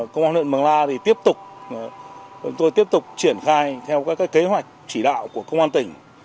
công an huyện mường la thì tiếp tục tôi tiếp tục triển khai theo các kế hoạch chỉ đạo của công an tỉnh